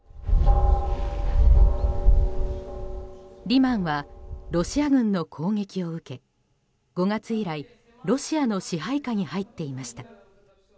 リマンはロシア軍の攻撃を受け５月以来、ロシアの支配下に入っていました。